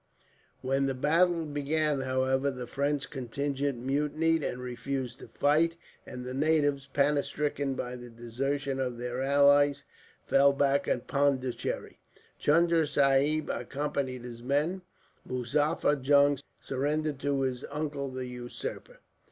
When the battle began, however, the French contingent mutinied and refused to fight; and the natives, panic stricken by the desertion of their allies, fell back on Pondicherry. Chunda Sahib accompanied his men. Muzaffar Jung surrendered to his uncle, the usurper.